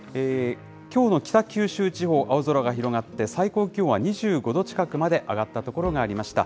きょうの北九州地方、青空が広がって、最高気温は２５度近くまで上がった所がありました。